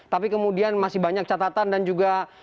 tapi kemudian masih banyak catatan dan juga